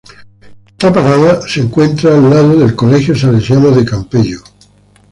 Esta parada se encuentra al lado del Colegio Salesianos de Campello.